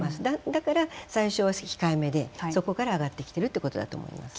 だから最初は控えめでそこから上がってきてるということだと思います。